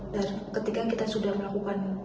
dan ketika kita sudah melakukan